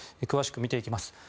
詳しく見ていきます。